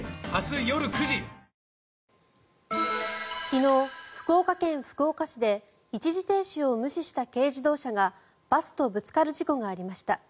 昨日、福岡県福岡市で一時停止を無視した軽自動車がバスとぶつかる事故がありました。